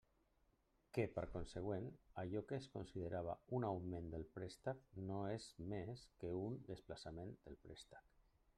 Que, per consegüent, allò que es considerava un augment del préstec no és més que un desplaçament del préstec.